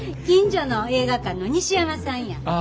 近所の映画館の西山さんや。